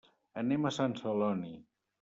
Anem a Sant Celoni.